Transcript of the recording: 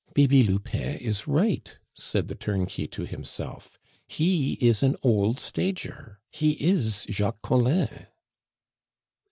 "Bibi Lupin is right," said the turnkey to himself; "he is an old stager; he is Jacques Collin."